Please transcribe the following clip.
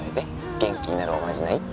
元気になるおまじないって